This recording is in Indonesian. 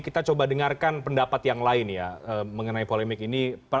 kita coba dengarkan pendapat yang lain ya mengenai polemik ini